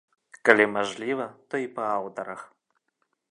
Калі мажліва, то і па аўтарах.